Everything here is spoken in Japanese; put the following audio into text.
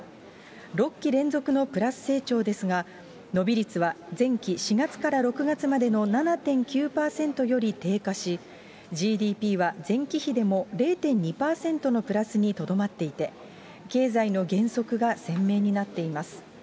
６期連続のプラス成長ですが、伸び率は前期・４月から６月までの７．９％より低下し、ＧＤＰは前期比でも０．２％のプラスにとどまっていて、経済の減速が鮮明になっています。